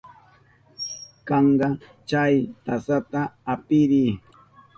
Kanka, chay tasata apiriy.